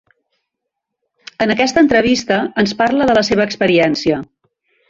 En aquesta entrevista ens parla de la seva experiència.